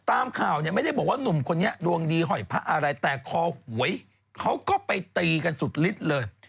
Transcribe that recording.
ตามข่าวเนี่ยไม่ได้บอกว่าหนุ่มคนนี้ดวงดีหอยพระอะไรแต่คอหวยเขาก็ไปตีกันสุดฤทธิ์เลย